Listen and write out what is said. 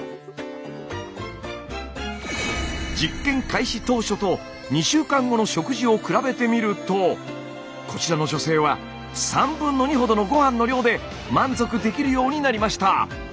実験開始当初と２週間後の食事を比べてみるとこちらの女性は2/3ほどのご飯の量で満足できるようになりました。